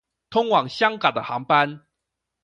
通往香港的航班